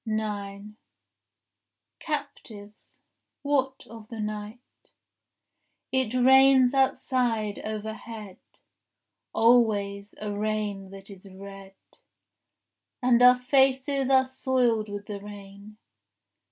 9 Captives, what of the night?— It rains outside overhead Always, a rain that is red, And our faces are soiled with the rain.